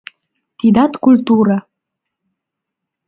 — Тидат — культура!